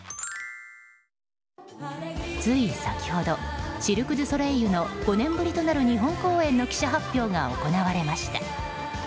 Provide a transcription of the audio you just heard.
つい先ほどシルク・ドゥ・ソレイユの５年ぶりとなる日本公演となる記者発表が行われました。